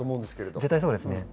絶対そうですね。